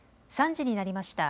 ３時になりました。